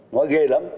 nói ghê lắm